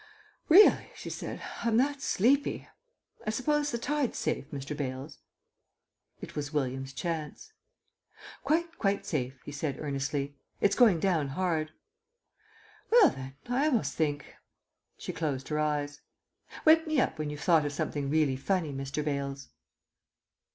"Really," she said, "I'm that sleepy I suppose the tide's safe, Mr. Bales?" It was William's chance. "Quite, quite safe," he said earnestly. "It's going down hard." "Well then, I almost think " She closed her eyes. "Wake me up when you've thought of something really funny, Mr. Bales."